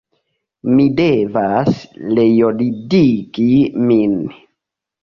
Mi devas reordigi min.